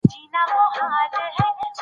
وادي د افغانستان د ولایاتو په کچه توپیر لري.